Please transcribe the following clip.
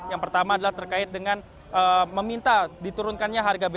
yang pertama adalah terkait dengan meminta diturunkannya harganya